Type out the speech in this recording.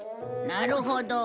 なるほど。